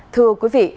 thưa quý vị